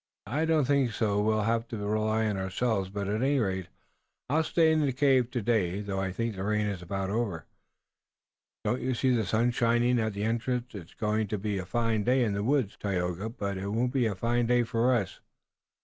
"I don't think so. We'll have to rely on ourselves. But at any rate, I'll stay in the cave today, though I think the rain is about over. Don't you see the sun shining in at the entrance? It's going to be a fine day in the woods, Tayoga, but it won't be a fine day for us."